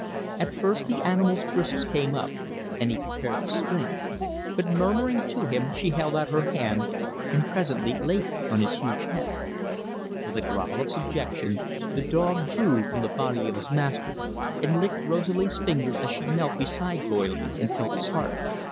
At first the animal's bristles came up, and he prepared to spring, but murmuring to him, she held out her hand, and presently laid it on his huge head. With a growl of subjection, the dog drew from the body of his master, and licked Rosalie's fingers as she knelt beside Boily and felt his heart.